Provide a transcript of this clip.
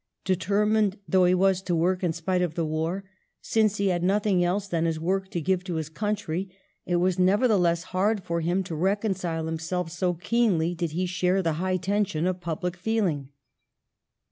Determined though he was to work, in spite of the war — since he had nothing else than his work to give to his country — it was, nevertheless, hard for him to reconcile himself, so keenly did he share the high tension of pub lic feeling.